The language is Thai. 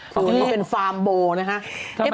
เนี่ยตรงนี้มันเป็นฟาร์มโบนะฮะ